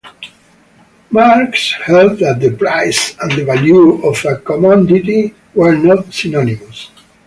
Marx held that the "price" and the "value" of a commodity were not synonymous.